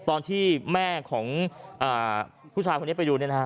ตอนที่แม่ของผู้ชายคนนี้ไปดู